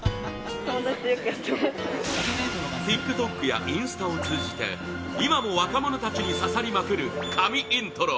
ＴｉｋＴｏｋ やインスタを通じて今も若者たちに刺さりまくる神イントロ